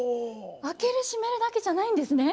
開ける閉めるだけじゃないんですね？